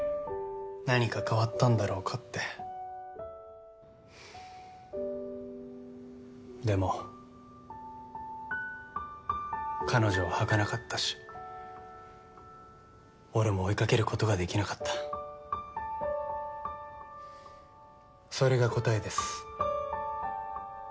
何か変わったんだろうかってでも彼女は履かなかったし俺も追いかけることができなかったそれが答えです